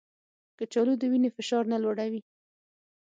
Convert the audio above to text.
کچالو د وینې فشار نه لوړوي